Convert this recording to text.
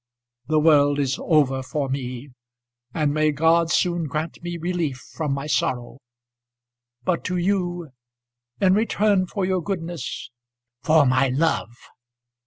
The world is over for me, and may God soon grant me relief from my sorrow. But to you in return for your goodness " "For my love."